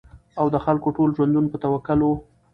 او د خلکو ټول ژوندون په توکل وو